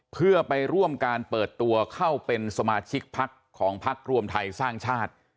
เพื่อไปร่วมการเปิดตัวเข้าเป็นสมาชิกพักของพักรวมไทยสร้างชาติ